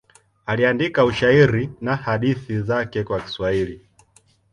Aliandika ushairi na hadithi zake kwa Kiswahili.